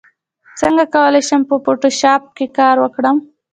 څنګه کولی شم په فوټوشاپ کار وکړم